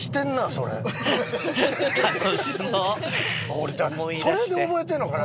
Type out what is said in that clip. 俺それで覚えてんのかな。